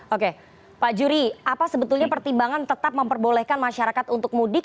oke pak juri apa sebetulnya pertimbangan tetap memperbolehkan masyarakat untuk mudik